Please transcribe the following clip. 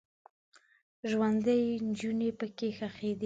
ژوندۍ نجونې پکې ښخیدې.